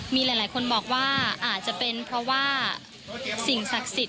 มีหลายคนบอกว่าอาจจะเป็นเพราะว่าสิ่งศักดิ์สิทธิ